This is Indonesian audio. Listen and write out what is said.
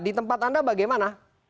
di tempat anda bagaimana